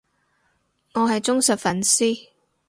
我係忠實粉絲